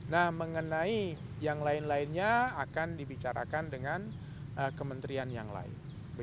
nah mengenai yang lain lainnya akan dibicarakan dengan kementerian yang lain